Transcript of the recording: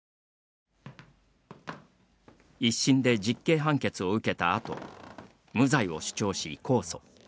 １審で実刑判決を受けたあと無罪を主張し、控訴。